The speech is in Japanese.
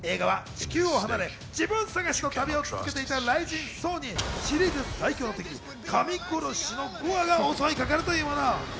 映画は地球を離れ、自分探しの旅を続けていた雷神・ソーに、シリーズ最強の敵・神殺しのゴアが襲いかかるというもの。